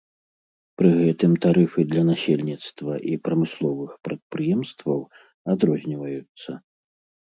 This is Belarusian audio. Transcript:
Пры гэтым тарыфы для насельніцтва і прамысловых прадпрыемстваў адрозніваюцца.